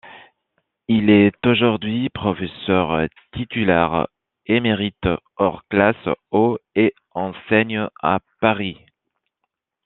Il est aujourd'hui professeur titulaire émérite hors classe au et enseigne à Paris.